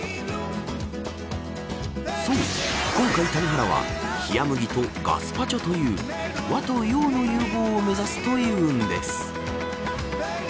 そう、今回谷原は冷麦とガスパチョという和と洋の融合を目指すというんです。